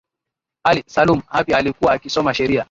ally salum hapi alikuwa akisoma sheria